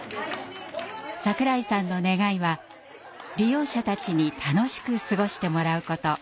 櫻井さんの願いは利用者たちに楽しく過ごしてもらうこと。